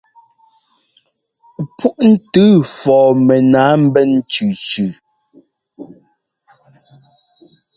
Púʼntʉʉ fɔɔ mɛnǎa mbɛ́n cʉcʉ.